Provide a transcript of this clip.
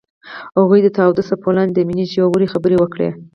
هغوی د تاوده څپو لاندې د مینې ژورې خبرې وکړې.